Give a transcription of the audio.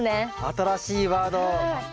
新しいワード！